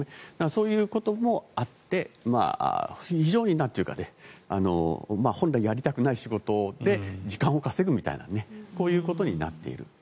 そういうこともあって非常に本来やりたくない仕事で時間を稼ぐみたいなこういうことになっている。